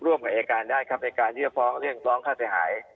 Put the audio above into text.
ร่วมกับอายการได้ครับในการเรียกฟ้องเรื่องร้องฆ่าเสียหาย